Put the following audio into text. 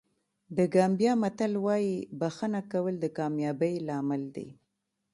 د ګامبیا متل وایي بښنه کول د کامیابۍ لامل دی.